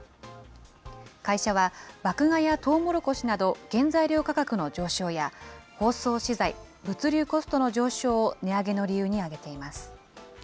会社は、麦芽やとうもろこしなど、原材料価格の上昇や、包装資材、物流コストの上昇を値上げの理由に挙げています。